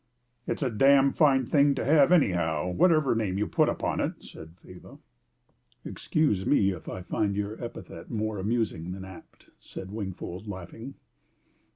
"It's a damned fine thing to have anyhow, whatever name you put upon it!" said Faber. "Excuse me if I find your epithet more amusing than apt," said Wingfold, laughing.